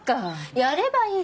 やればいいじゃない。